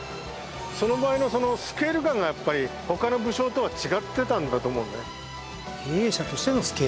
その場合のスケール感がやっぱり他の武将とは違ってたんだと思うんだよね。